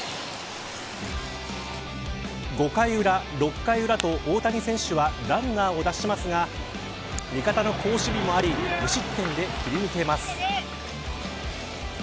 ５回裏、６回裏と、大谷選手はランナーを出しますが味方の好守備もあり無失点で切り抜けます。